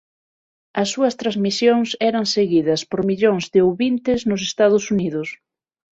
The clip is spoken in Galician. As súas transmisións eran seguidas por millóns de ouvintes nos Estados Unidos.